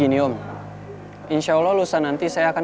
itu mah nanti aja kali